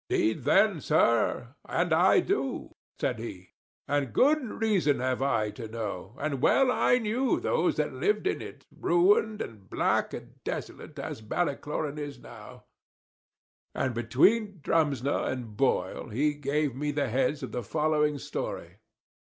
"'Deed then, Sir, and I do," said he, "and good reason have I to know; and well I knew those that lived in it, ruined, and black, and desolate, as Ballycloran is now:" and between Drumsna and Boyle, he gave me the heads of the following story.